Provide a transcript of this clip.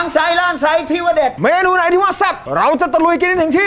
กลิ่นล้างบาง